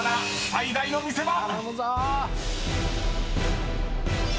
最大の見せ場！］